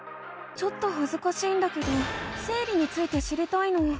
ちょっとはずかしいんだけど生理について知りたいの。